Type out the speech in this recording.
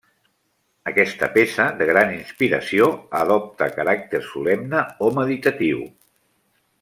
Aquesta peça, de gran inspiració, adopta caràcter solemne o meditatiu.